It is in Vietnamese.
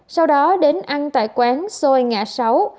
sau đó đến ăn tại quán xôi ngã sáu